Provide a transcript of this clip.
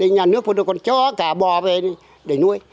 nhà nước của tôi còn cho cả bò về để nuôi